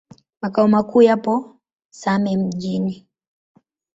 Makao makuu yapo Same Mjini.